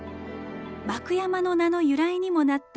幕山の名の由来にもなった